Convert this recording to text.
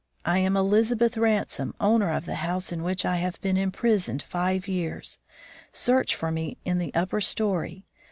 I am Elizabeth Ransome, owner of the house in which I have been imprisoned five years. Search for me in the upper story.